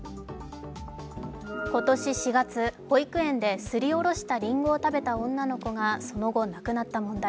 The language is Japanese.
今年４月、保育園ですりおろしたりんごを食べた女の子がその後、亡くなった問題。